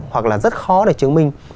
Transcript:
hoặc là rất khó để chứng minh